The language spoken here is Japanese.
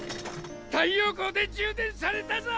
太陽光で充電されたぞ！